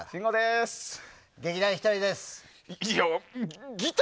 劇団ひとりです。